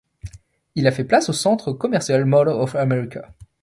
Il a fait place au centre commercial Mall of America.